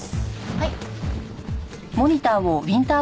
はい。